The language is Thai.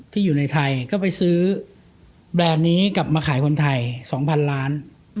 ที่อยู่ในไทยก็ไปซื้อแบรนด์นี้กลับมาขายคนไทย๒๐๐๐ล้าน